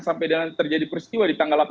sampai terjadi peristiwa di tanggal delapan